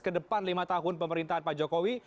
ke depan lima tahun pemerintahan pak jokowi